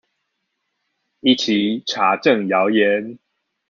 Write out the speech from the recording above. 一起查證謠言